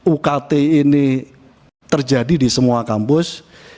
ukt ini terjadi di semua kampus